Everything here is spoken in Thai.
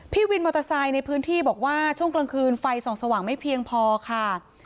พี่วินมอเตอร์ไซค์ในพื้นที่บอกว่าช่วงกลางคืนไฟส่องสว่างไม่เพียงพอค่ะ